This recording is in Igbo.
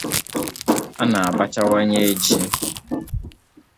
a na-abachawanye ji